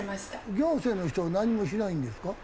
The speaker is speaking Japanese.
行政の人は何もしないんですか？